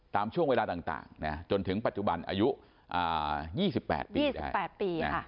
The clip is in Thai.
ตามช่วงเวลาต่างจนถึงปัจจุบันอายุ๒๘ปี๑๘ปี